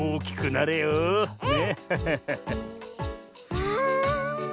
わあ。